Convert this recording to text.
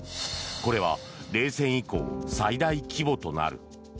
これは冷戦以降最大規模となる。